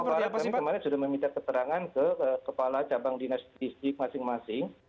di jawab kami kemarin sudah meminta keterangan ke kepala cabang dinastisik masing masing